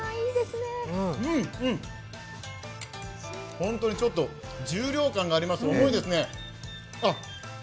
本当にちょっと重量感があります、重いですね。